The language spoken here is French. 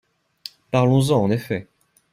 Parlons-en, en effet